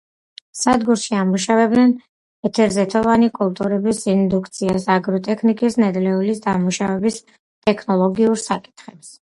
სადგურში ამუშავებდნენ ეთერზეთოვანი კულტურების ინტროდუქციის, აგროტექნიკის, ნედლეულის დამუშავების ტექნოლოგიურ საკითხებს.